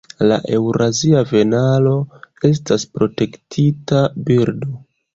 La Eŭrazia vanelo estas protektita birdo.